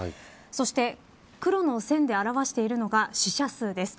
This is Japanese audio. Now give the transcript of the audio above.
そして、黒の線で表しているのが死者数です。